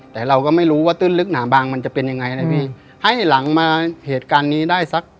แต่เราก็ไม่รู้ว่าตื้นลึกหนาบางมันจะเป็นยังไงนะพี่ให้หลังมาเหตุการณ์นี้ได้สัก